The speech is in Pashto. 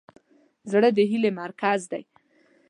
زړه د هیلې مرکز دی.